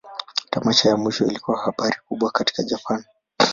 Tamasha ya mwisho ilikuwa habari kubwa katika Japan.